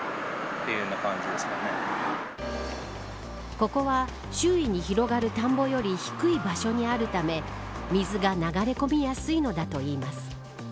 ここは周囲に広がる田んぼより低い場所にあるため水が流れ込みやすいのだといいます。